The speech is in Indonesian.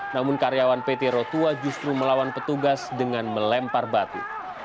namun karyawan pt rotua justru melawan petugas dengan melempar batu